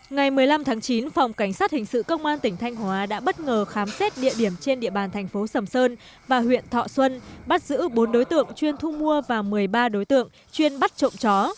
ngày một mươi năm tháng chín phòng cảnh sát hình sự công an tỉnh thanh hóa đã bất ngờ khám xét địa điểm trên địa bàn thành phố sầm sơn và huyện thọ xuân bắt giữ bốn đối tượng chuyên thu mua và một mươi ba đối tượng chuyên bắt trộm chó